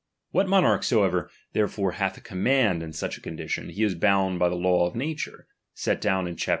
What mo ^^i ^rch soever, therefore, hath a command in such a c^oudition, he is bound by the latv of nature, s^t down in chap.